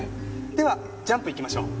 ではジャンプいきましょう。